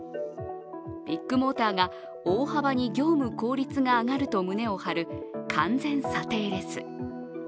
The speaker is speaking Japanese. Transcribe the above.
ビッグモーターが大幅に業務効率が上がると胸を張る完全査定レス。